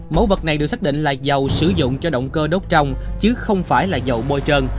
mẫu vật này được xác định là dầu sử dụng cho động cơ đốt trong chứ không phải là dầu bôi trơn